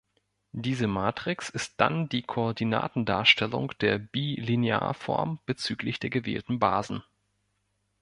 Diese Matrix ist dann die Koordinatendarstellung der Bilinearform bezüglich der gewählten Basen.